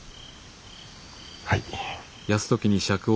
はい。